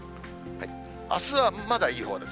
あすはまだいいほうです。